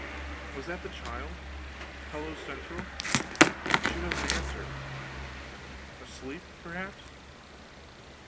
Was that the child?... Hello Central!... she doesn't answer. Asleep, perhaps?